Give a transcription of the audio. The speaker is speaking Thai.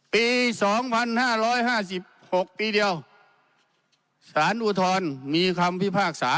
ปีสองพันห้าร้อยห้าสิบหกปีเดียวสารอุทธรณ์มีคำพิพากษา